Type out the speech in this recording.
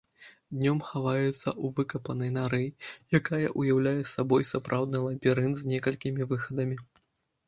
Днём хаваецца ў выкапанай нары, якая ўяўляе сабой сапраўдны лабірынт з некалькімі выхадамі.